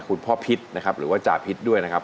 พิษนะครับหรือว่าจาพิษด้วยนะครับ